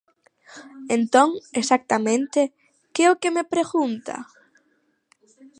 Entón, exactamente, ¿que é o que me pregunta?